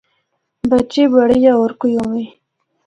بچے، بڑے یا ہور کوئی ہوّے۔